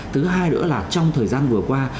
thứ hai nữa là trong thời gian vừa qua